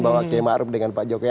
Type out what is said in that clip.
bahwa km arup dengan pak jokowi